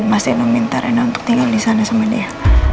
masin udah takut reina itu anaknya